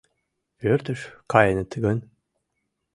Пӧртыш каеныт гын?